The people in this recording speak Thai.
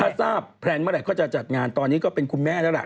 ถ้าทราบแพลนเมื่อไหร่ก็จะจัดงานตอนนี้ก็เป็นคุณแม่แล้วล่ะ